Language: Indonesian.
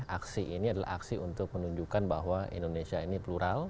aksi ini adalah aksi untuk menunjukkan bahwa indonesia ini plural